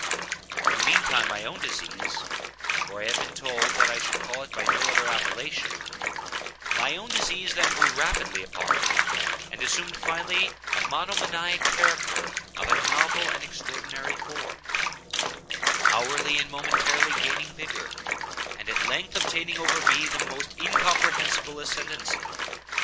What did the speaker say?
In the mean time my own disease—for I have been told that I should call it by no other appellation—my own disease, then, grew rapidly upon me, and assumed finally a monomaniac character of a novel and extraordinary form—hourly and momently gaining vigor—and at length obtaining over me the most incomprehensible ascendancy.